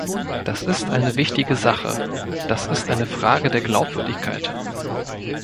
Das ist eine wichtige Sache, das ist eine Frage der Glaubwürdigkeit.